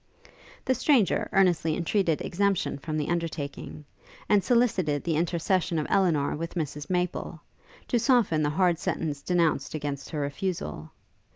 The stranger earnestly entreated exemption from the undertaking, and solicited the intercession of Elinor with Mrs Maple, to soften the hard sentence denounced against her refusal.